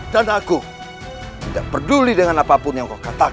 dan aku tidak peduli dengan apapun yang kau katakan